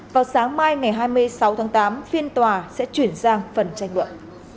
vào sáng mai ngày hai mươi sáu tháng tám phiên tòa sẽ chuyển sang phần tranh luận